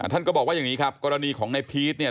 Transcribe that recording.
ท่านก็บอกว่าอย่างนี้ครับกรณีของนายพีชเนี่ย